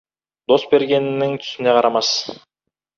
Дос бергенінің түсіне қарамас.